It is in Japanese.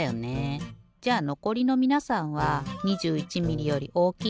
じゃのこりのみなさんは２１ミリより大きい？